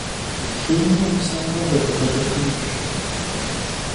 Хеймрэ мысэмрэ зэхигъэкӀыфу щытщ.